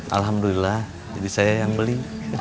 alhamdulillah jadi saya yang beli